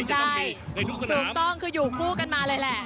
ใช่ถูกต้องคืออยู่คู่กันมาเลยแหละ